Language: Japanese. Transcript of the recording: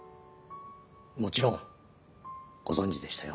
もちろんご存じでしたよ。